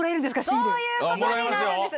そういうことになるんです。